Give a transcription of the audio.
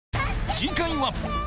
次回は！